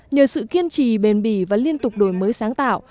nhờ sự kiên trì bền bỉ và liên tục đổi mới sáng tạo